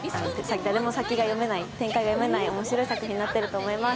誰も先が、展開が読めない面白い作品になっていると思います。